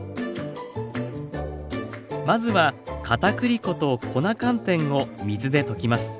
まずはかたくり粉と粉寒天を水で溶きます。